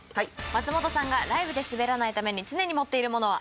松本さんがライブでスベらないために常に持っているものは？